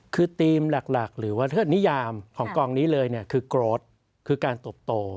คือธีมหลักหรือว่าเทิดนิยามของกองนี้เลยคือโกรธคือการตบโต